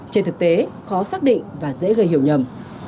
trên thực tế khó xác định và dễ gây hiểu nhầm